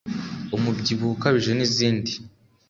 umubyibuho ukabije n'izindi